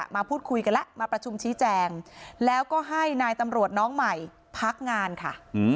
มาพูดคุยกันแล้วมาประชุมชี้แจงแล้วก็ให้นายตำรวจน้องใหม่พักงานค่ะ